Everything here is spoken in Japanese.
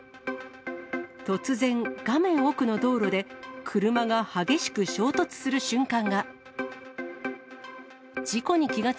突然、画面奥の道路で、車が激しく衝突する瞬間が。